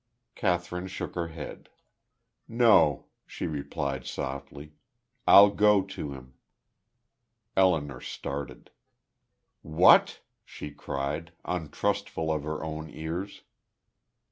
Kathryn shook her head. "No," she replied softly, "I'll go to him." Elinor started. "What!" she cried, untrustful of her own ears.